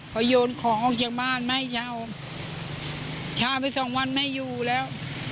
เขาโยนของออกจากบ้านไม่ยาวเช้าไปสองวันไม่อยู่แล้ว